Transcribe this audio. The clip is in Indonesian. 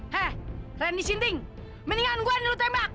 hei leni sinting mendingan gue yang dulu tembak